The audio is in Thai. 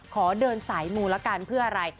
ขอเดินสายมูละกันเพื่ออะไร